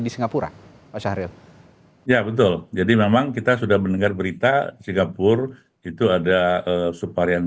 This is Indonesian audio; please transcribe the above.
di singapura ya betul jadi memang kita sudah mendengar berita singapura itu ada supar yang